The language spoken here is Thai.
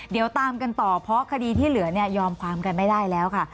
เดี๋ยวตามกันต่อเพราะคดีที่เหลือเนี่ยยอมความกันไม่ได้แล้วค่ะ